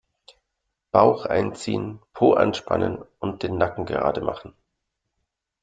Bauch einziehen, Po anspannen und den Nacken gerade machen.